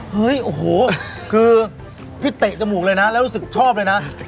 เฮ้ยโอ้โหคือที่เตะจมูกเลยนะแล้วรู้สึกชอบเลยนะ